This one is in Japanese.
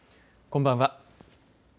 こんばんは。